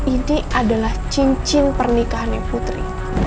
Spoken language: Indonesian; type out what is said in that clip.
ini adalah cincin pernikahan yang putri